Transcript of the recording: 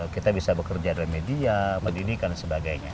kita bisa bekerja dalam media pendidikan dan sebagainya